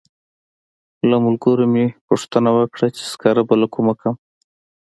له ملګرو مې پوښتنه وکړه چې سکاره به له کومه کړم.